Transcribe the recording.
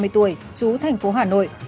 ba mươi tuổi chú thành phố hà nội